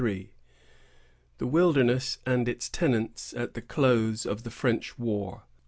THE WILDERNESS AND ITS TENANTS AT THE CLOSE OF THE FRENCH WAR.